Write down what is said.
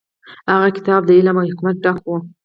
هغه کتاب د علم او حکمت ډک و.